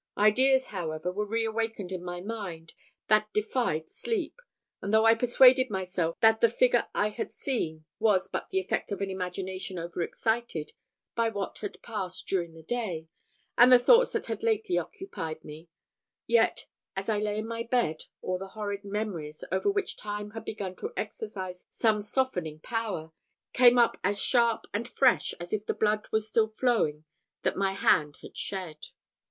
Ideas, however, were re awakened in my mind, that defied sleep; and though I persuaded myself that the figure I had seen was but the effect of an imagination over excited by what had passed during the day, and the thoughts that had lately occupied me; yet, as I lay in my bed, all the horrid memories, over which time had begun to exercise some softening power, came up as sharp and fresh as if the blood was still flowing that my hand had shed.